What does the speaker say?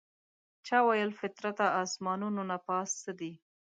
چا ویل فطرته اسمانونو نه پاس څه دي؟